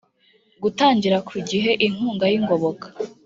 gutangira ku gihe inkunga y’ingoboka